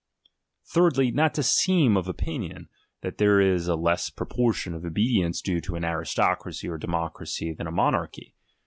Thirdly, not to seem of opinion, that there is a less proportion of obedience due to an aristocracy or democracy than a monarchy.